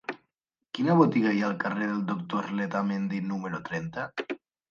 Quina botiga hi ha al carrer del Doctor Letamendi número trenta?